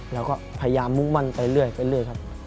เราก็พยายามมุ่งมั่นไปเรื่อยครับ